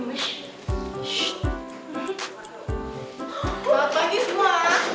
selamat pagi semua